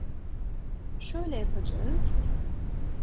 Şöyle yapacağız…